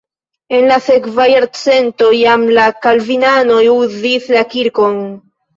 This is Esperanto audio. En la sekva jarcento jam la kalvinanoj uzis la kirkon.